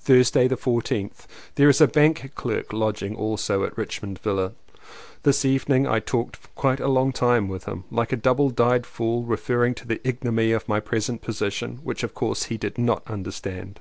Thursday the 14th. There is a bank clerk lodging also at Richmond Villa. This evening I talked quite a long time with him; like a double dyed fool referring to the ignominy of my present position, which of course he did not understand.